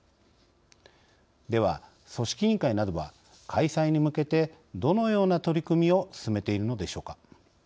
では組織委員会などは開催に向けてどのような取り組みを進めているのでしょうか。